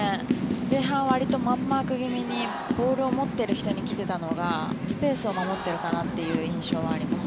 前半はわりとマンマーク気味にボールを持っている人に来ていたのがスペースを守っているかなという印象はあります。